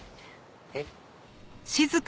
えっ？